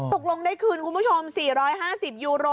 ตกลงได้คืนคุณผู้ชม๔๕๐ยูโร